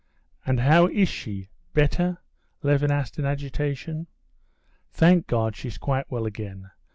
"And how is she—better?" Levin asked in agitation. "Thank God, she's quite well again.